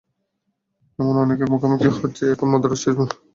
এমন অনেকের মুখোমুখি হচ্ছি এখন-মধ্যরাত, শেষ রাত অবধি মেতে রয়েছেন ফেসবুক নিয়ে।